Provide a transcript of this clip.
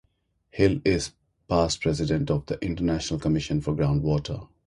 Hill is past president of the International Commission for Ground Water.